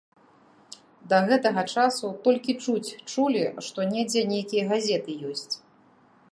Да гэтага часу толькі чуць чулі, што недзе нейкія газеты ёсць.